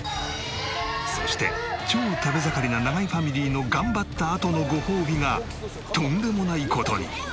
そして超食べ盛りな永井ファミリーの頑張ったあとのごほうびがとんでもない事に！